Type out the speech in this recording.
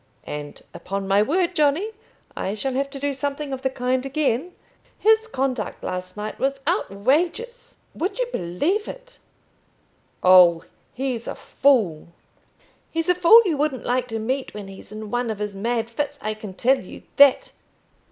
And, upon my word, Johnny, I shall have to do something of the kind again. His conduct last night was outrageous; would you believe it " "Oh, he's a fool." "He's a fool you wouldn't like to meet when he's in one of his mad fits, I can tell you that.